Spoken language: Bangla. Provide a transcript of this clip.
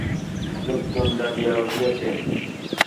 লোকজন জাগিয়া উঠিয়াছে।